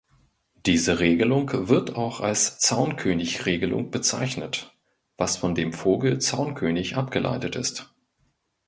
Diese Regelung wird auch als "Zaunkönig-Regelung" bezeichnet, was von dem Vogel Zaunkönig abgeleitet ist.